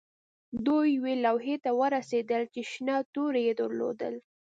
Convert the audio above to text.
دوی یوې لوحې ته ورسیدل چې شنه توري یې درلودل